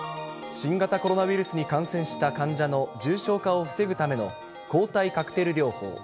新型コロナウイルスに感染した患者の重症化を防ぐための抗体カクテル療法。